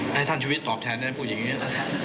ให้ท่านชีวิตตอบแทนนะครับพูดอย่างนี้นะครับ